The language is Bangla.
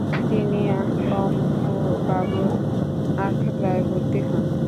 তিনি অম্বুবাবুর আখড়ায় ভর্তি হন।